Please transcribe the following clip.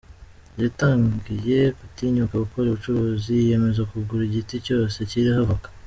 Yatangiye gutinyuka gukora ubucuruzi, yiyemeza kugura igiti cyose kiriho avoka.